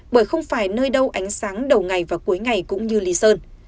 bởi không phải nơi đâu ánh sáng đầu ngày và cuối ngày cũng như lý sơn